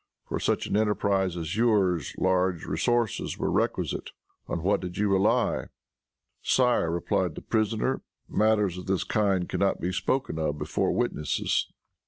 For such an enterprise as yours large resources were requisite. On what did you rely?" "Sire," replied the prisoner, "matters of this kind can not be spoken of before witnesses."